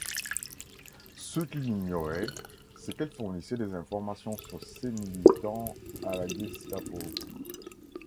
Ce qu'il ignorait, c'est qu'elle fournissait des informations sur ces militants à la Gestapo.